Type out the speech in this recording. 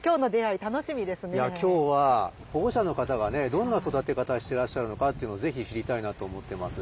いや今日は保護者の方がどんな育て方してらっしゃるのかっていうのをぜひ知りたいなと思ってます。